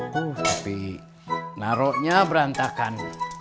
tapi naroknya berantakan